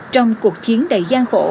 trong cuộc chiến đầy gian khổ